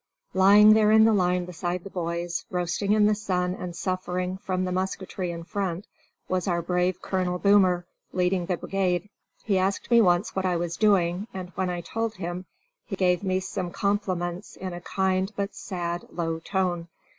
Lying there in the line beside the boys, roasting in the sun and suffering from the musketry in front, was our brave Colonel Boomer, leading the brigade. He asked me once what I was doing, and, when I told him, he gave me some compliments in a kind, but sad, low tone.